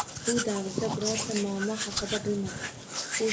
U davrda birorta muammo haqida bilmasdik.